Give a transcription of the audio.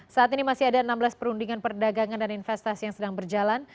saat ini masih ada enam belas perundingan perdagangan dan investasi yang sedang berjalan